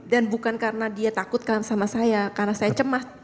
dan bukan karena dia takut sama saya karena saya cemas